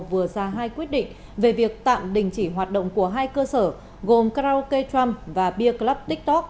vừa ra hai quyết định về việc tạm đình chỉ hoạt động của hai cơ sở gồm karaoke trump và beer club tiktok